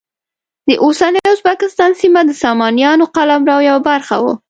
د اوسني ازبکستان سیمه د سامانیانو قلمرو یوه برخه وه.